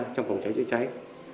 trong phòng cháy chữa cháy